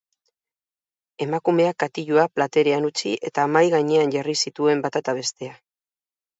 Emakumeak katilua platerean utzi eta mahai gainean jarri zituen bata eta bestea.